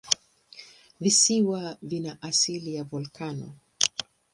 Visiwa vina asili ya volikano.